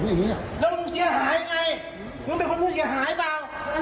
แล้วจะสี่หายกันไงผมเป็นพูดสี่หายใช่ไหม